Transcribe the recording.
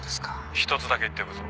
「一つだけ言っておくぞ」